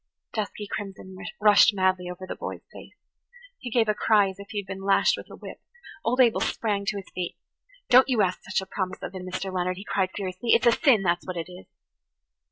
Dusky crimson rushed madly over the boy's face. He gave a cry as if he had been lashed with a whip. Old Abel sprang to his feet. [Page 91] "Don't you ask such a promise of him, Mr. Leonard," he cried furiously. "It's a sin, that's what it is.